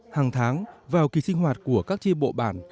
hàng tháng vào kỳ sinh hoạt của các tri bộ bản